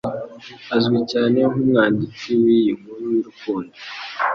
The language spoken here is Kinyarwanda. azwi cyane nk'umwanditsi w'iyi nkuru y'urukundo.